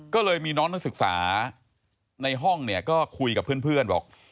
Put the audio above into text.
ก็เลยมีน้องนักศึกษาในห้องเนี่ยก็คุยกับเพื่อนบอก